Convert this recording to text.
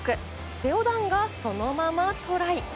セオ・ダンがそのままトライ。